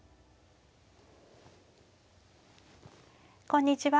こんにちは。